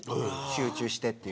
集中して。